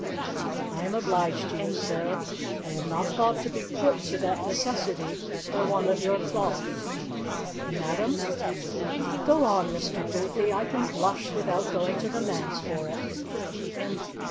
"I am obliged to you, sir. I had not thought to be put to that necessity by one of your cloth." "Madam " "Go on, Mr. Duthie. I can blush without going to the manse for it."